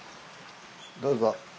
どうぞ。